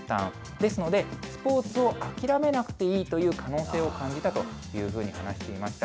ですので、スポーツを諦めなくていいという可能性を感じたというふうに話していました。